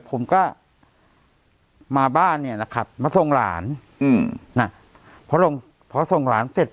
ผมก็มาบ้านนะครับมาทรงหลานพอทรงหลานเสร็จ